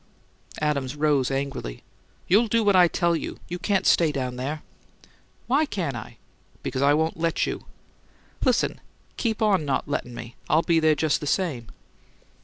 Adams rose angrily. "You'll do what I tell you. You can't stay down there." "Why can't I?" "Because I won't let you." "Listen! Keep on not lettin' me: I'll be there just the same."